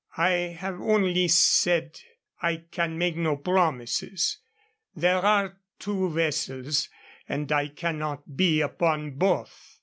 "I have only said I can make no promises. There are two vessels, and I cannot be upon both.